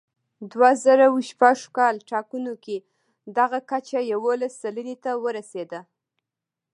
دوه زره شپږ کال ټاکنو کې دغه کچه یوولس سلنې ته ورسېده.